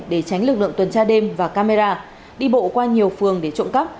để tránh lực lượng tuần tra đêm và camera đi bộ qua nhiều phường để trộm cắp